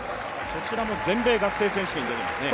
こちらも全米学生選手権に出てますね。